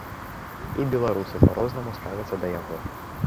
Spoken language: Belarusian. І беларусы па-рознаму ставяцца да яго.